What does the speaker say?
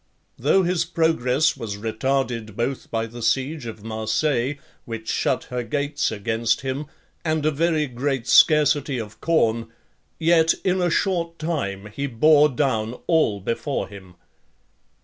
Though his progress was retarded both by the siege of Marseilles, which shut her gates against him, and a very great scarcity of corn, yet in a short time he bore down all before him.